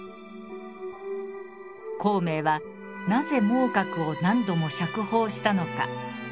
孔明はなぜ孟獲を何度も釈放したのか。